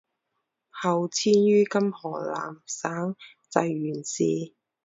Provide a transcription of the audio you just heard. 后迁于今河南省济源市。